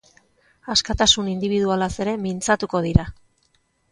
Askatasun indibidualaz ere mintzatuko dira.